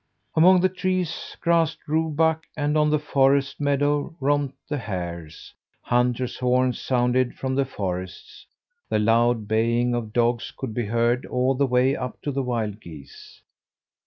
Among the trees grazed roe buck, and on the forest meadow romped the hares. Hunters' horns sounded from the forests; the loud baying of dogs could be heard all the way up to the wild geese.